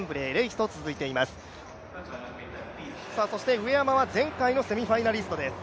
上山は前回のセミファイナリストです。